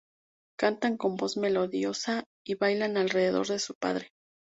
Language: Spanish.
Cantan con voz melodiosa y bailan alrededor de su padre.